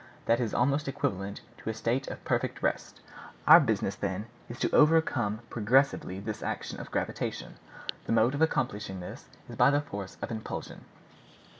That is almost equivalent to a state of perfect rest. Our business, then, is to overcome progressively this action of gravitation. The mode of accomplishing that is by the force of impulsion."